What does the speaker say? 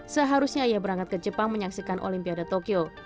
seharusnya ia berangkat ke jepang menyaksikan olimpiade tokyo